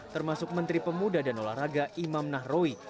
termasuk menteri pemuda dan olahraga imam nahrawi